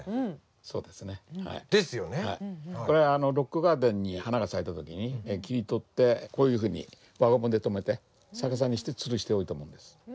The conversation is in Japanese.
そうですね。ですよね！これはロックガーデンに花が咲いた時に切り取ってこういうふうに輪ゴムで留めて逆さにしてつるしておいたものです。